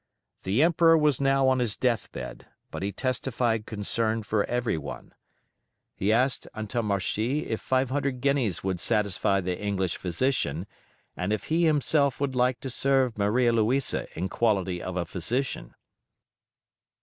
The Emperor was now on his death bed, but he testified concern for every one. He asked Antommarchi if 500 guineas would satisfy the English physician, and if he himself would like to serve Maria Louisa in quality of a physician?